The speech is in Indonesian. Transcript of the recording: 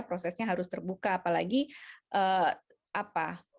prosesnya harus terbuka apalagi apa